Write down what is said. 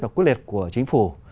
và quyết liệt của chính phủ